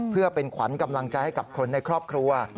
เพื่อเป็นขวัญกำลังใจให้กับคนในครอบครัว